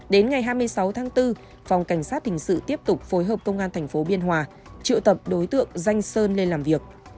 đến ngày hai mươi sáu tháng bốn phòng cảnh sát hình sự tiếp tục phối hợp công an tp biên hòa triệu tập đối tượng danh sơn lên làm việc